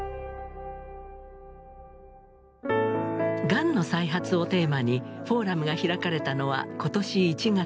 「がんの再発」をテーマにフォーラムが開かれたのは今年１月。